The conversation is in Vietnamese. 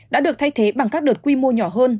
đã được thay thế bằng các đợt quy mô nhỏ hơn